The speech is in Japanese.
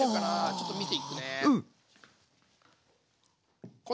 ちょっと見せいくね。